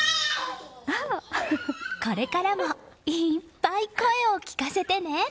これからも、いーっぱい声を聞かせてね！